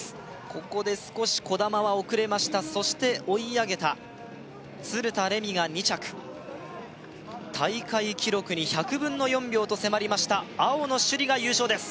ここで少し兒玉は遅れましたそして追い上げた鶴田玲美が２着大会記録に１００分の４秒と迫りました青野朱李が優勝です